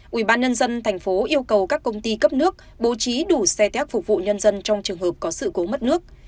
quỹ ban nhân dân thành phố yêu cầu các công ty cấp nước bố trí đủ xe tép phục vụ nhân dân trong trường hợp có sự cố mất nước